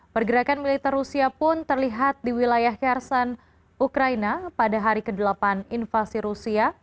pergerakan militer rusia pun terlihat di wilayah kersen ukraina pada hari ke delapan invasi rusia